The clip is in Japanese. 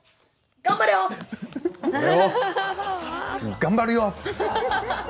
頑張るよ！